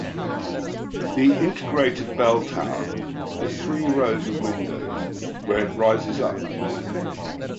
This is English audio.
The integrated bell tower has three rows of windows where it rises up.